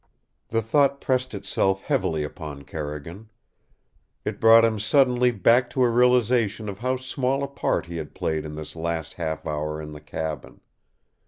The thought pressed itself heavily upon Carrigan. It brought him suddenly back to a realization of how small a part he had played in this last half hour in the cabin.